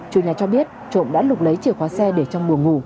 chủ nhà cho biết trộm đã lục lấy chìa khóa xe để trong mùa ngủ